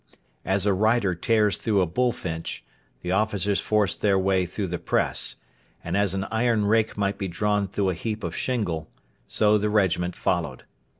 As a rider tears through a bullfinch, the officers forced their way through the press; and as an iron rake might be drawn through a heap of shingle, so the regiment followed.